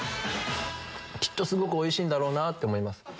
きっとすごくおいしいんだろうなって思います。